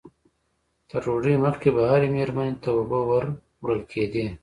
تر ډوډۍ مخکې به هرې مېرمنې ته اوبه ور وړل کېدې.